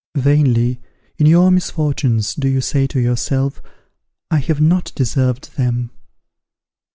"Vainly, in your misfortunes, do you say to yourself, 'I have not deserved them.'